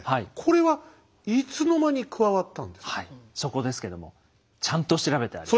そこですけどもちゃんと調べてあります。